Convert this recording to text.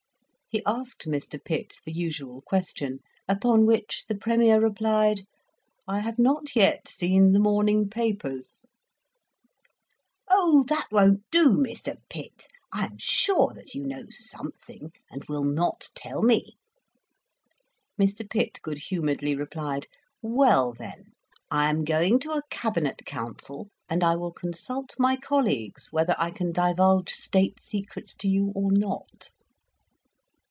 He asked Mr. Pitt the usual question, upon which the Premier replied, "I have not yet seen the morning papers." "Oh, that won't do, Mr. Pitt. I am Sure that you know something, and will not tell me." Mr. Pitt good humouredly replied: "Well, then, I am going to a Cabinet Council, and I will consult my colleagues whether I can divulge State secrets to you or not."